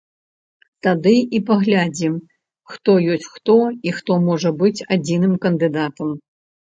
Тады і паглядзім, хто ёсць хто і хто можа быць адзіным кандыдатам.